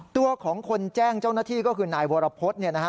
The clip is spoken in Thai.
ตัวของคนแจ้งเจ้าหน้าที่ก็คือนายวรพฤษ